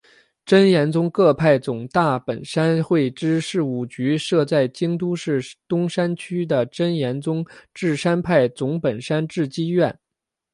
真言宗各派总大本山会之事务局设在京都市东山区的真言宗智山派总本山智积院。